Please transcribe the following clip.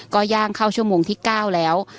ก็ย่างเข้าชั่วโมงที่๙แล้ว